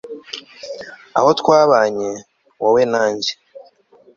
aho twabanye, wowe na njye